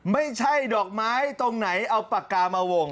ไม่ใช่ดอกไม้ตรงไหนเอาปากกามาวง